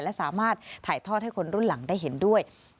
และสามารถถ่ายทอดให้คนรุ่นหลังได้เห็นด้วย